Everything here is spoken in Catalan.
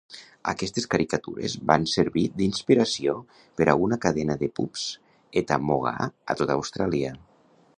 Aquestes caricatures van servir d'inspiració per a una cadena de pubs Ettamogah a tota Austràlia.